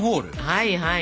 はいはい。